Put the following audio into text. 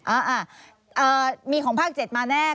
อ่ามีของภาค๗มาแน่